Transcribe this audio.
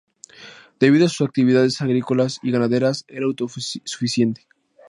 Debido a sus actividades agrícolas y ganaderas era autosuficiente.